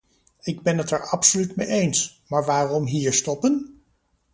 Ik ben het daar absoluut mee eens, maar waarom hier stoppen?